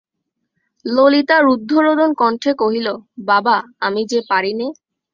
ললিতা রুদ্ধরোদন কণ্ঠে কহিল, বাবা, আমি যে পারি নে।